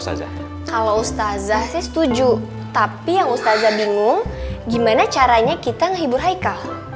saja kalau ustadz setuju tapi yang ustadz bingung gimana caranya kita menghibur haikal